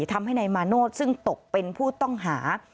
ทำให้นายมาโนธซึ่งตกเป็นผู้ต้องหา